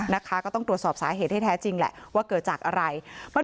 นะคะก็ต้องตรวจสอบสาเหตุที่แท้จริงแหละว่าเกิดจากอะไร